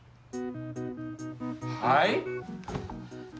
はい？